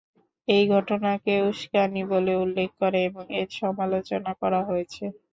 এই ঘটনাকে উসকানি বলে উল্লেখ করে এর সমালোচনা করা হয়েছে।